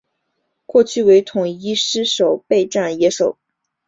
过去为统一狮守备外野手。